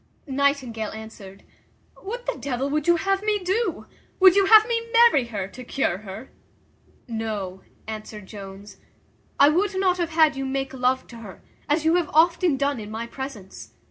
Nightingale answered, "What the devil would you have me do? would you have me marry her to cure her?" "No," answered Jones, "I would not have had you make love to her, as you have often done in my presence.